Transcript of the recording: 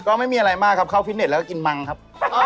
ก็ไม่มีอะไรมากครับเข้าฟิตเน็ตแล้วก็กินมังครับ